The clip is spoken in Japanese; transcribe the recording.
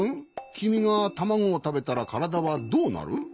きみがたまごをたべたらからだはどうなる？